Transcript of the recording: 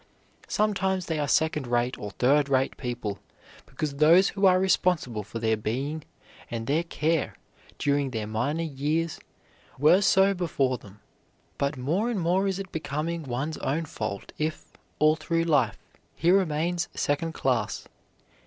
Sometimes they are second rate or third rate people because those who are responsible for their being and their care during their minor years were so before them, but more and more is it becoming one's own fault if, all through life, he remains second class.